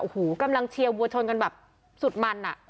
โอ้โหกำลังเชียร์วัวชนกันแบบสุดมันอ่ะ